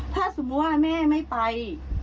ถ้าสมมุติว่าแม่ไม่ไป